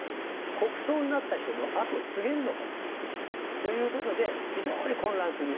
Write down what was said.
国葬になった人のあとを継げるのかと。という事で非常に混乱する。